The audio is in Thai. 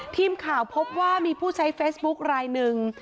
ทีมข่าวพบว่ามีผู้ใช้เฟซบุ๊คลายหนึ่ง